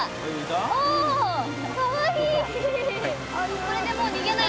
おかわいい。